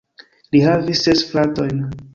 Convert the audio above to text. Li havis ses fratojn.